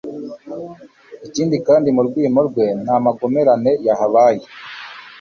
ikindi kandi mu rwimo rwe nta magomerane yabaye